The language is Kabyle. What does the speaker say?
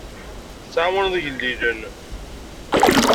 Tettɛawaneḍ igellilen.